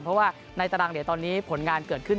เพราะว่าในตารางเหรียญตอนนี้ผลงานเกิดขึ้น